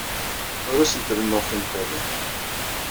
Ur asent-rennuɣ tinqiḍin.